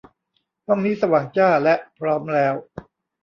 ห้องนี้สว่างจ้า และพร้อมแล้ว